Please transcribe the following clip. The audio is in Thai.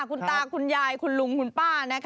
คุณตาคุณยายคุณลุงคุณป้า